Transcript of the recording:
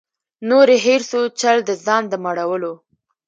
نور یې هېر سو چل د ځان د مړولو